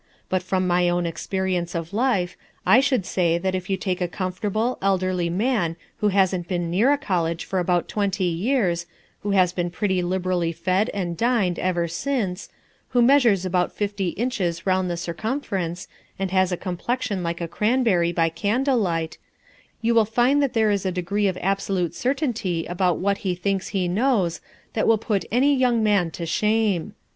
But from my own experience of life, I should say that if you take a comfortable, elderly man who hasn't been near a college for about twenty years, who has been pretty liberally fed and dined ever since, who measures about fifty inches around the circumference, and has a complexion like a cranberry by candlelight, you will find that there is a degree of absolute certainty about what he thinks he knows that will put any young man to shame.